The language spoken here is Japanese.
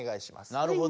なるほど。